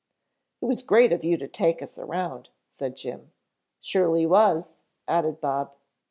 "It was great of you to take us around," said Jim. "Surely was," added Bob.